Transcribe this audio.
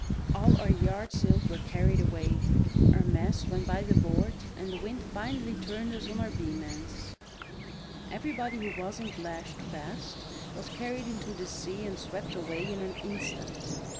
All our yard sails were carried away, our masts went by the board, and the wind finally turned us on our beam ends. Everybody who wasn't lashed fast was carried into the sea and swept away in an instant.